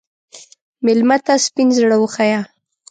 مېلمه ته سپین زړه وښیه.